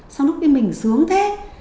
sao lúc mình sướng thế